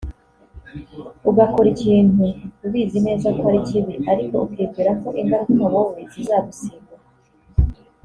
ugakora ikintu ubizi neza ko ari kibi ariko ukibwira ko ingaruka wowe zizagusimbuka